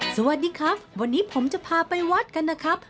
สวัสดีครับวันนี้ผมจะพาไปวัดกันนะครับ